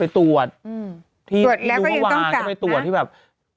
ตรวจแล้วก็ยังต้องกลับนะ